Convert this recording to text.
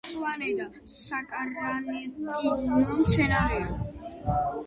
მავნე და საკარანტინო მცენარეა.